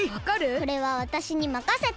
これはわたしにまかせて！